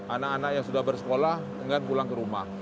anak anak yang sudah bersekolah dengan pulang ke rumah